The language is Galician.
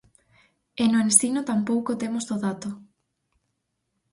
E no ensino tampouco temos o dato.